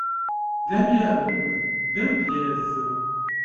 D amyaru, d amdyaz.